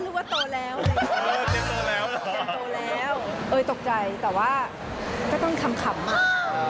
ก็รู้ว่าโตแล้วเออเจมส์โตแล้วตกใจแต่ว่าก็ต้องมีคำอ่า